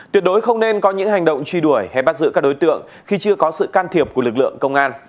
tuyệt đối không nên có những hành động truy đuổi hay bắt giữ các đối tượng khi chưa có sự can thiệp của lực lượng công an